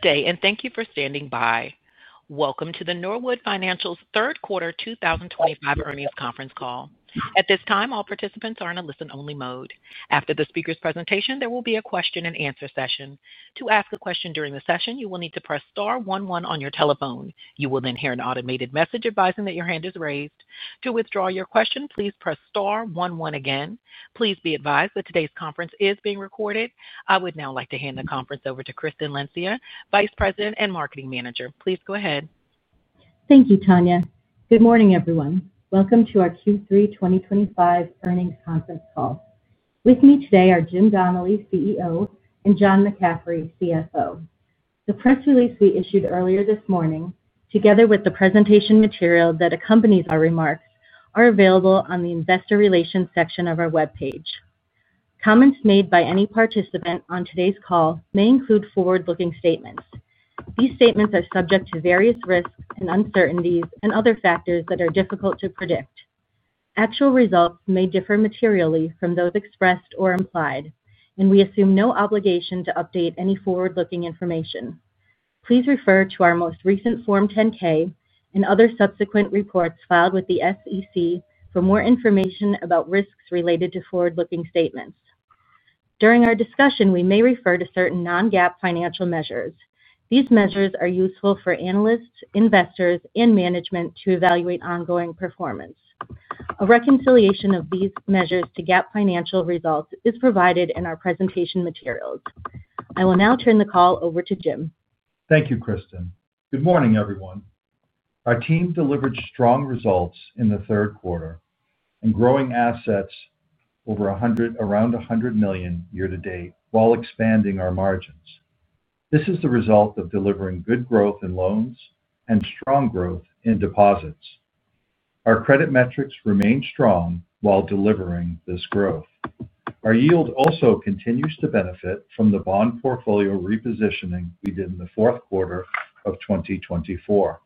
Good day, and thank you for standing by. Welcome to the Norwood Financial third quarter 2025 earnings conference call. At this time, all participants are in a listen-only mode. After the speaker's presentation, there will be a question and answer session. To ask a question during the session, you will need to press star one-one on your telephone. You will then hear an automated message advising that your hand is raised. To withdraw your question, please press star one-one again. Please be advised that today's conference is being recorded. I would now like to hand the conference over to Kristen Lencia, Vice President and Marketing Manager. Please go ahead. Thank you, Tanya. Good morning, everyone. Welcome to our Q3 2025 earnings conference call. With me today are James Donnelly, CEO, and John McCaffrey, CFO. The press release we issued earlier this morning, together with the presentation material that accompanies our remarks, is available on the Investor Relations section of our webpage. Comments made by any participant on today's call may include forward-looking statements. These statements are subject to various risks and uncertainties and other factors that are difficult to predict. Actual results may differ materially from those expressed or implied, and we assume no obligation to update any forward-looking information. Please refer to our most recent Form 10-K and other subsequent reports filed with the SEC for more information about risks related to forward-looking statements. During our discussion, we may refer to certain non-GAAP financial measures. These measures are useful for analysts, investors, and management to evaluate ongoing performance. A reconciliation of these measures to GAAP financial results is provided in our presentation materials. I will now turn the call over to James. Thank you, Kristen. Good morning, everyone. Our team delivered strong results in the third quarter and growing assets over around $100 million year to date while expanding our margins. This is the result of delivering good growth in loans and strong growth in deposits. Our credit metrics remain strong while delivering this growth. Our yield also continues to benefit from the bond portfolio repositioning we did in the fourth quarter of 2024.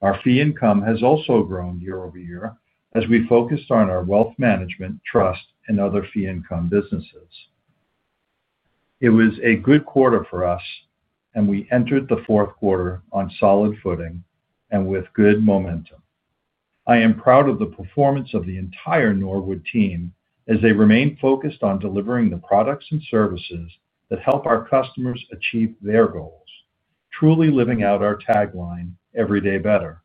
Our fee income has also grown year over year as we focused on our wealth management, trust, and other fee income businesses. It was a good quarter for us, and we entered the fourth quarter on solid footing and with good momentum. I am proud of the performance of the entire Norwood team as they remain focused on delivering the products and services that help our customers achieve their goals, truly living out our tagline, "Every Day Better."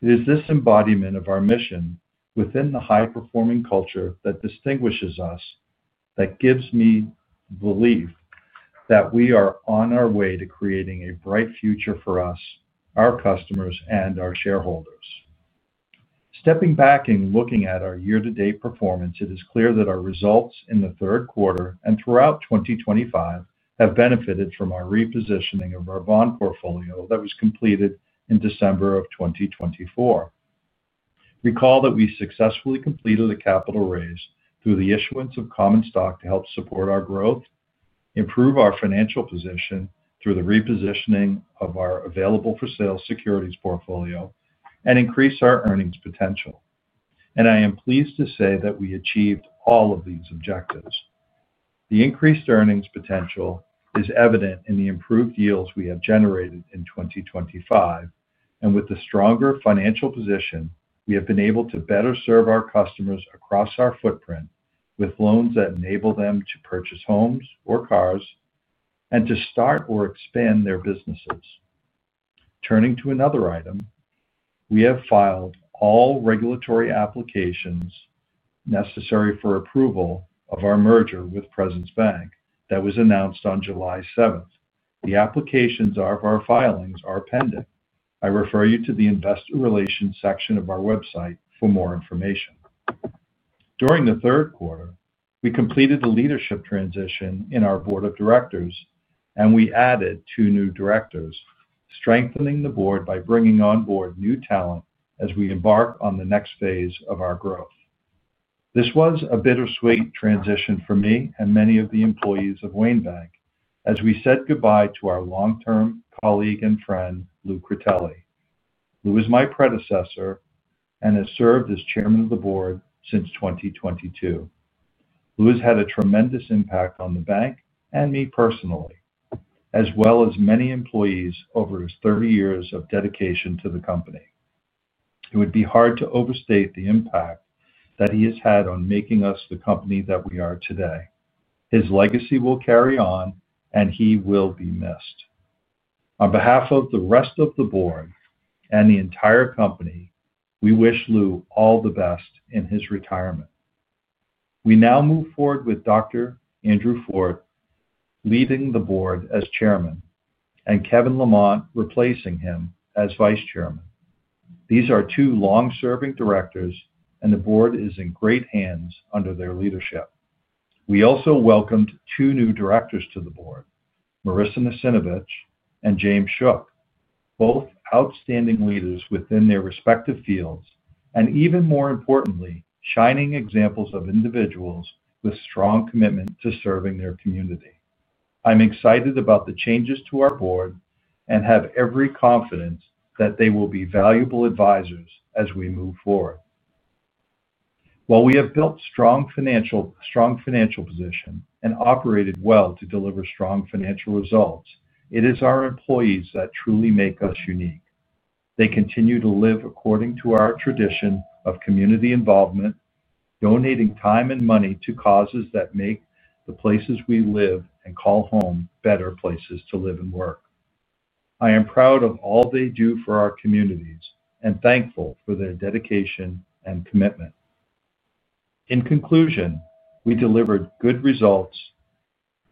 It is this embodiment of our mission within the high-performing culture that distinguishes us, that gives me the belief that we are on our way to creating a bright future for us, our customers, and our shareholders. Stepping back and looking at our year-to-date performance, it is clear that our results in the third quarter and throughout 2025 have benefited from our repositioning of our bond portfolio that was completed in December of 2024. Recall that we successfully completed a capital raise through the issuance of common stock to help support our growth, improve our financial position through the repositioning of our available-for-sale securities portfolio, and increase our earnings potential. I am pleased to say that we achieved all of these objectives. The increased earnings potential is evident in the improved yields we have generated in 2025, and with the stronger financial position, we have been able to better serve our customers across our footprint with loans that enable them to purchase homes or cars and to start or expand their businesses. Turning to another item, we have filed all regulatory applications necessary for approval of our merger with Presence Bank that was announced on July 7th. The applications of our filings are pending. I refer you to the Investor Relations section of our website for more information. During the third quarter, we completed the leadership transition in our board of directors, and we added two new directors, strengthening the board by bringing on board new talent as we embark on the next phase of our growth. This was a bittersweet transition for me and many of the employees of Wayne Bank as we said goodbye to our long-term colleague and friend, Lewis Critelli, who was my predecessor and has served as Chairman of the Board since 2022. Lewis had a tremendous impact on the bank and me personally, as well as many employees over his 30 years of dedication to the company. It would be hard to overstate the impact that he has had on making us the company that we are today. His legacy will carry on, and he will be missed. On behalf of the rest of the Board and the entire company, we wish Lewis all the best in his retirement. We now move forward with Dr. Andrew Forte leaving the Board as Chairman and Kevin Lamont replacing him as Vice Chairman. These are two long-serving directors, and the Board is in great hands under their leadership. We also welcomed two new directors to the Board, Marissa Nassimovich and James Shook, both outstanding leaders within their respective fields and, even more importantly, shining examples of individuals with strong commitment to serving their community. I'm excited about the changes to our Board and have every confidence that they will be valuable advisors as we move forward. While we have built a strong financial position and operated well to deliver strong financial results, it is our employees that truly make us unique. They continue to live according to our tradition of community involvement, donating time and money to causes that make the places we live and call home better places to live and work. I am proud of all they do for our communities and thankful for their dedication and commitment. In conclusion, we delivered good results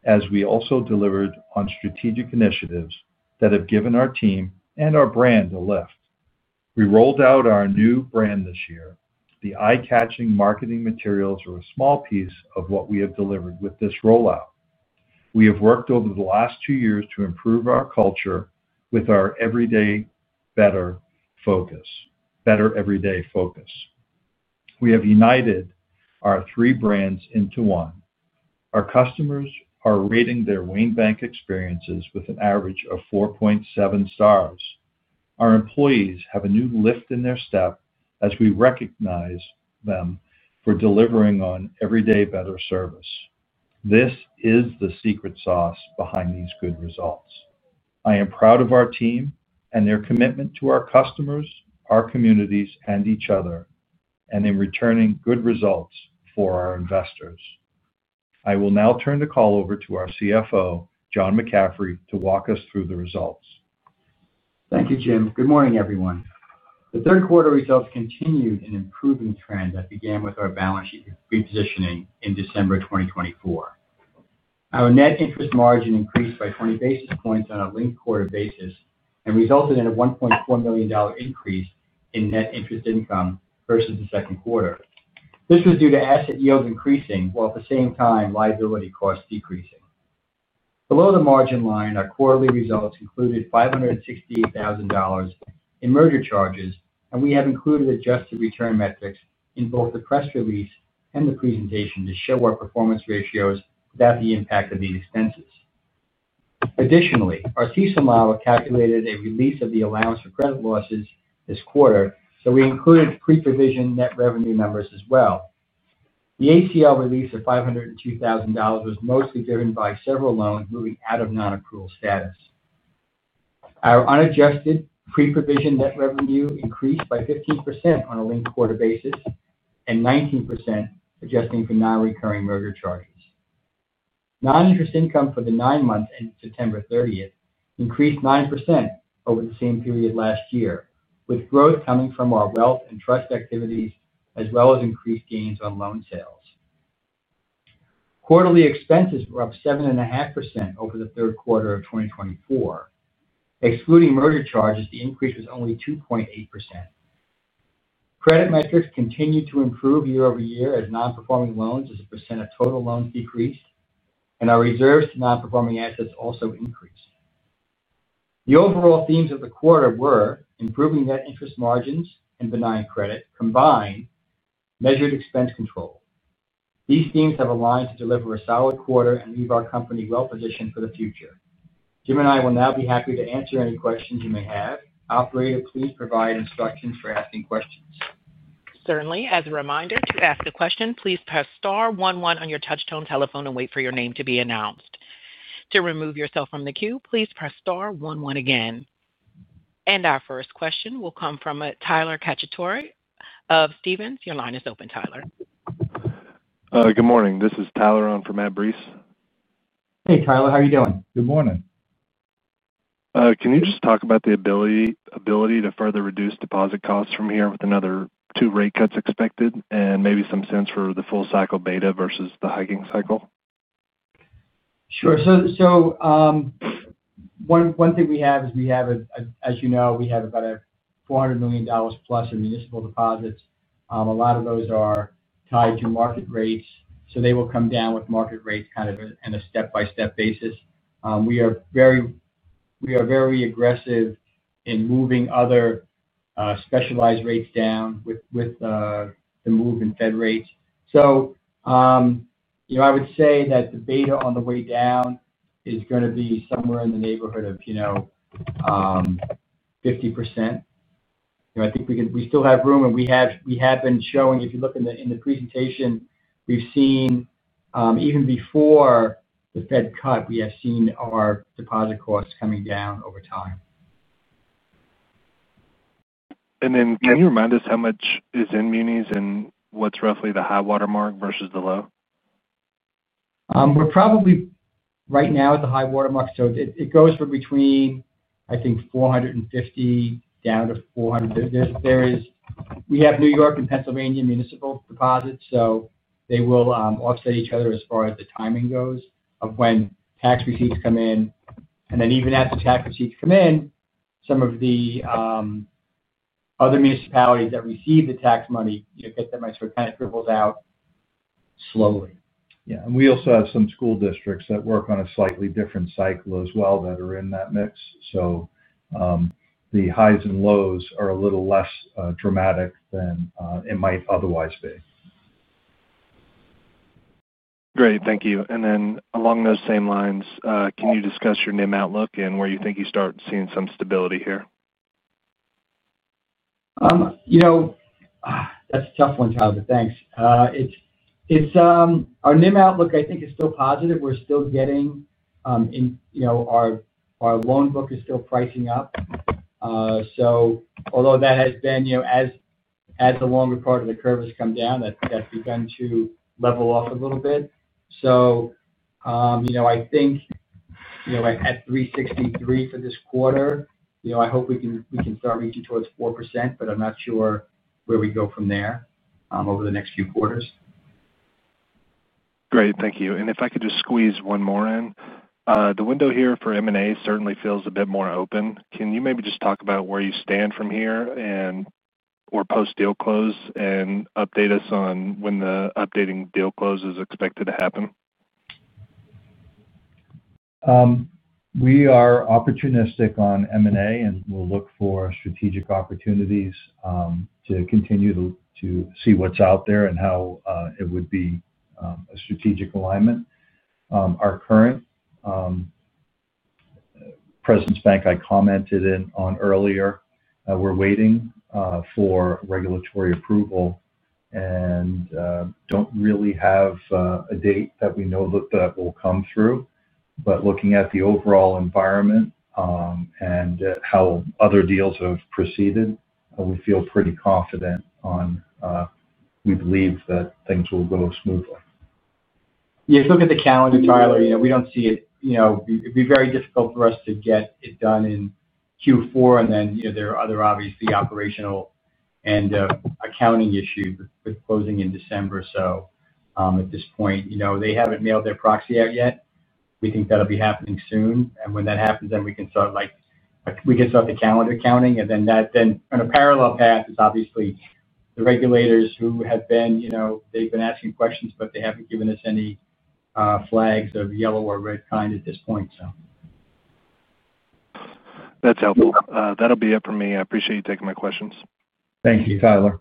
as we also delivered on strategic initiatives that have given our team and our brand a lift. We rolled out our new brand this year. The eye-catching marketing materials are a small piece of what we have delivered with this rollout. We have worked over the last two years to improve our culture with our Every Day Better focus. We have united our three brands into one. Our customers are rating their Wayne Bank experiences with an average of 4.7 stars. Our employees have a new lift in their step as we recognize them for delivering on Every Day Better service. This is the secret sauce behind these good results. I am proud of our team and their commitment to our customers, our communities, and each other, and in returning good results for our investors.I will now turn the call over to our CFO, John McCaffrey, to walk us through the results. Thank you, Jim. Good morning, everyone. The third quarter results continued an improving trend that began with our balance sheet repositioning in December 2024. Our net interest margin increased by 20 basis points on a linked quarter basis and resulted in a $1.4 million increase in net interest income versus the second quarter. This was due to asset yield increasing while at the same time liability costs decreasing. Below the margin line, our quarterly results included $568,000 in merger-related charges, and we have included adjusted return metrics in both the press release and the presentation to show our performance ratios without the impact of these expenses. Additionally, our CECL model calculated a release of the allowance for credit losses this quarter, so we included pre-provision net revenue numbers as well. The allowance for credit losses release of $502,000 was mostly driven by several loans moving out of non-accrual status. Our unadjusted pre-provision net revenue increased by 15% on a linked quarter basis and 19% adjusting for non-recurring merger-related charges. Non-interest income for the nine months ended September 30, increased 9% over the same period last year, with growth coming from our wealth management and trust services activities as well as increased gains on loan sales. Quarterly expenses were up 7.5% over the third quarter of 2024. Excluding merger-related charges, the increase was only 2.8%. Credit metrics continued to improve year over year as non-performing loans as a percent of total loans decreased, and our reserves to non-performing assets also increased. The overall themes of the quarter were improving net interest margins and benign credit, combined measured expense control. These themes have aligned to deliver a solid quarter and leave our company well-positioned for the future. Jim and I will now be happy to answer any questions you may have. Operator, please provide instructions for asking questions. Certainly. As a reminder, to ask a question, please press star one-one on your touchtone telephone and wait for your name to be announced. To remove yourself from the queue, please press star one-one again. Our first question will come from Tyler Cacciatore of Stephens. Your line is open, Tyler. Good morning. This is Tyler on for Matt Briess. Hey, Tyler. How are you doing? Good morning. Can you just talk about the ability to further reduce deposit costs from here with another two rate cuts expected, and maybe some sense for the full cycle beta versus the hiking cycle? Sure. One thing we have is we have, as you know, about $400 million plus in municipal deposits. A lot of those are tied to market rates, so they will come down with market rates on a step-by-step basis. We are very aggressive in moving other specialized rates down with the move in Fed rates. I would say that the beta on the way down is going to be somewhere in the neighborhood of 50%. I think we still have room, and we have been showing, if you look in the presentation, we've seen even before the Fed cut, we have seen our deposit costs coming down over time. Can you remind us how much is in municipal deposits and what's roughly the high watermark versus the low? We're probably right now at the high watermark. It goes from between, I think, $450 million down to $400 million. We have New York and Pennsylvania municipal deposits, so they will offset each other as far as the timing goes of when tax receipts come in. Even as the tax receipts come in, some of the other municipalities that receive the tax money get them, so it kind of trickles out slowly. Yeah. We also have some school districts that work on a slightly different cycle as well that are in that mix, so the highs and lows are a little less dramatic than it might otherwise be. Great, thank you. Along those same lines, can you discuss your NIM outlook and where you think you start seeing some stability here? That's a tough one, Tyler, but thanks. Our NIM outlook, I think, is still positive. We're still getting, you know, our loan book is still pricing up. Although that has been, as the longer part of the curve has come down, that's begun to level off a little bit. I think at 3.63% for this quarter, I hope we can start reaching towards 4%, but I'm not sure where we go from there over the next few quarters. Great. Thank you. If I could just squeeze one more in, the window here for M&A certainly feels a bit more open. Can you maybe just talk about where you stand from here and/or post-deal close and update us on when the updating deal close is expected to happen? We are opportunistic on M&A, and we'll look for strategic opportunities to continue to see what's out there and how it would be a strategic alignment. Our current Presence Bank, I commented on earlier, we're waiting for regulatory approval and don't really have a date that we know that will come through. Looking at the overall environment and how other deals have proceeded, we feel pretty confident on we believe that things will go smoothly. Yeah. If you look at the calendar, Tyler, you know, we don't see it. It would be very difficult for us to get it done in Q4. There are other obviously operational and accounting issues with closing in December. At this point, you know, they haven't mailed their proxy out yet. We think that'll be happening soon. When that happens, then we can start, like we can start the calendar counting. On a parallel path is obviously the regulators who have been, you know, they've been asking questions, but they haven't given us any flags of yellow or red kind at this point. That's helpful. That'll be it for me. I appreciate you taking my questions. Thank you, Tyler.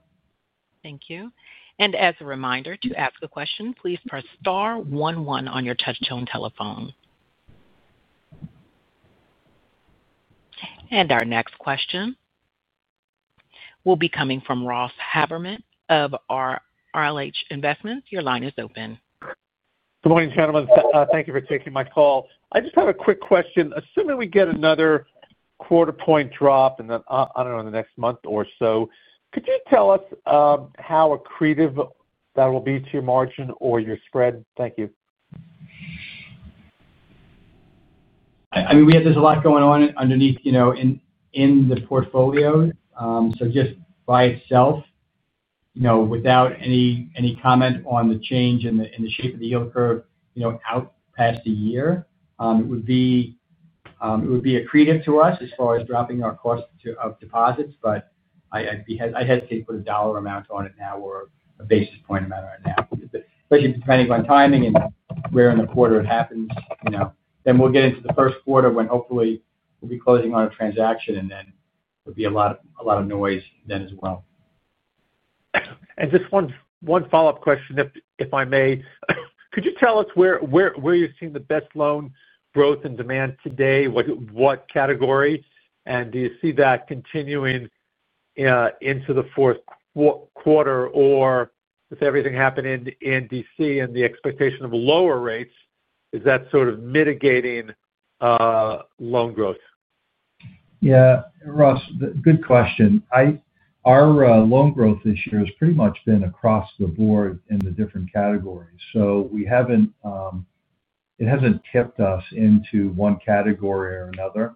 Thank you. As a reminder, to ask a question, please press star one-one on your touchtone telephone. Our next question will be coming from Ross Haberman of RLH Investments. Your line is open. Good morning, gentlemen. Thank you for taking my call. I just have a quick question. Assuming we get another quarter point drop in the, I don't know, in the next month or so, could you tell us how accretive that will be to your margin or your spread? Thank you. We have a lot going on underneath in the portfolio. Just by itself, without any comment on the change in the shape of the yield curve out past a year, it would be accretive to us as far as dropping our cost of deposits. I'd hesitate to put a dollar amount on it now or a basis point amount on it now, especially depending on timing and where in the quarter it happens. We will get into the first quarter when hopefully we'll be closing on a transaction, and then there'll be a lot of noise then as well. Just one follow-up question, if I may. Could you tell us where you're seeing the best loan growth and demand today? What category? Do you see that continuing into the fourth quarter? With everything happening in D.C. and the expectation of lower rates, is that sort of mitigating loan growth? Yeah, Ross, good question. Our loan growth this year has pretty much been across the board in the different categories. It hasn't tipped us into one category or another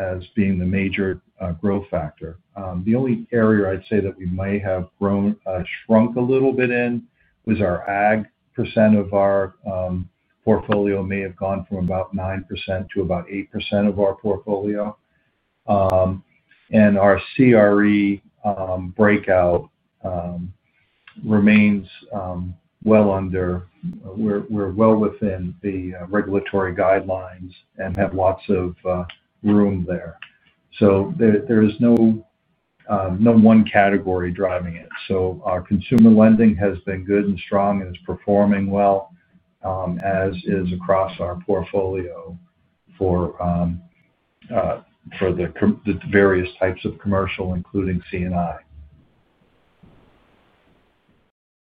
as being the major growth factor. The only area I'd say that we may have shrunk a little bit in was our ag % of our portfolio may have gone from about 9% to about 8% of our portfolio. Our CRE breakout remains well under, we're well within the regulatory guidelines and have lots of room there. There is no one category driving it. Our consumer lending has been good and strong and is performing well, as is across our portfolio for the various types of commercial, including CNI.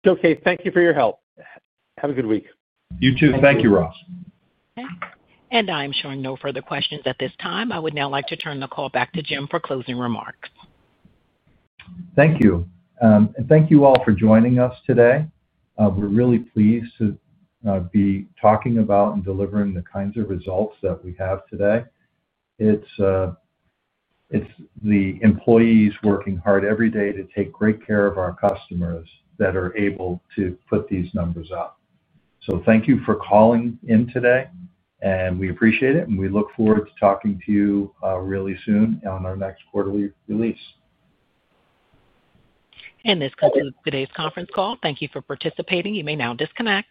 Okay, thank you for your help. Have a good week. You too. Thank you, Ross. I am showing no further questions at this time. I would now like to turn the call back to Jim for closing remarks. Thank you. Thank you all for joining us today. We're really pleased to be talking about and delivering the kinds of results that we have today. It's the employees working hard every day to take great care of our customers that are able to put these numbers up. Thank you for calling in today, we appreciate it. We look forward to talking to you really soon on our next quarterly release. This concludes today's conference call. Thank you for participating. You may now disconnect.